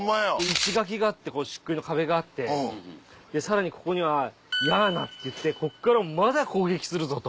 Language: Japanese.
石垣があってしっくいの壁があってでさらにここには矢穴っていってこっからまだ攻撃するぞと。